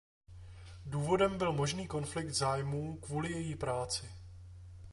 Důvodem byl možný konflikt zájmů kvůli její práci.